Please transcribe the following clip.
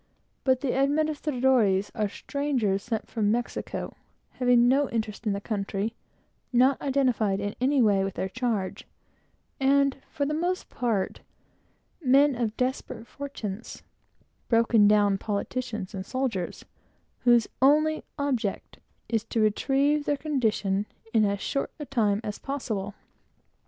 But the administradores are strangers sent from Mexico, having no interest in the country; not identified in any way with their charge, and, for the most part, men of desperate fortunes broken down politicians and soldiers whose only object is to retrieve their condition in as short a time as possible.